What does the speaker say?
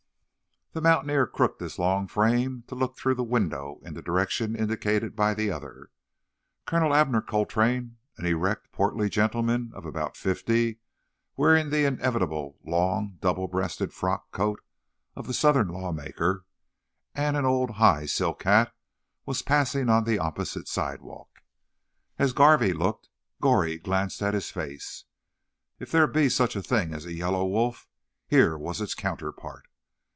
The mountaineer crooked his long frame to look through the window in the direction indicated by the other. Colonel Abner Coltrane, an erect, portly gentleman of about fifty, wearing the inevitable long, double breasted frock coat of the Southern lawmaker, and an old high silk hat, was passing on the opposite sidewalk. As Garvey looked, Goree glanced at his face. If there be such a thing as a yellow wolf, here was its counterpart.